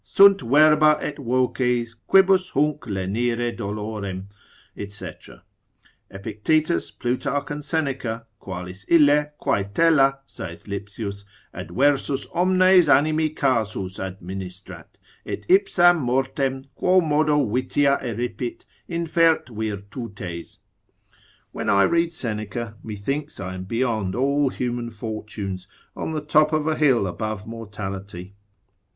Sunt verba et voces, quibus hunc lenire dolorem, &c. Epictetus, Plutarch, and Seneca; qualis ille, quae tela, saith Lipsius, adversus omnes animi casus administrat, et ipsam mortem, quomodo vitia eripit, infert virtutes? when I read Seneca, methinks I am beyond all human fortunes, on the top of a hill above mortality.